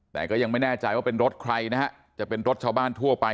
แต่ก็ยังไม่แน่ใจว่าเป็นรถใครนะฮะจะเป็นรถชาวบ้านทั่วไป